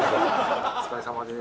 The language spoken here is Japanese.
お疲れさまです。